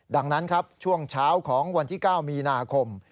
ดังนั้นครับช่วงเช้าของวันที่๙มีนาคม